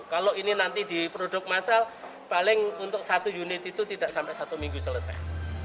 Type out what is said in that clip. kalau ini nanti di produk masal paling untuk satu unit itu tidak sampai satu minggu selesai